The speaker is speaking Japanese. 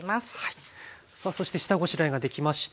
さあそして下ごしらえができまして。